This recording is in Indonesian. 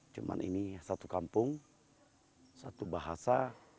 cuma ini satu kampung satu bahasa